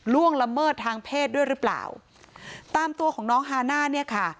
ล่วงละเมิดทางเพศด้วยหรือเปล่าตามตัวของน้องฮาน่าเนี่ยค่ะ